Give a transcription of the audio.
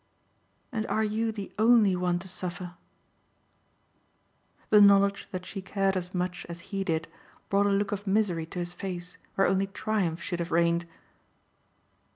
"And are you the only one to suffer?" The knowledge that she cared as much as he did brought a look of misery to his face where only triumph should have reigned.